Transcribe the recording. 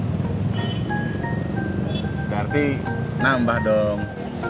berarti nambah dong